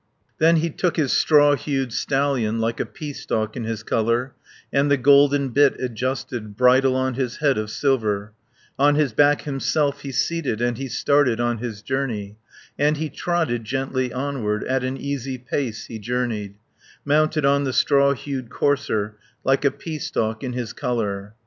Then he took his straw hued stallion Like a pea stalk in his colour, And the golden bit adjusted, Bridle on his head of silver, On his back himself he seated, And he started on his journey, 10 And he trotted gently onward, At an easy pace he journeyed, Mounted on the straw hued courser, Like a pea stalk in his colour.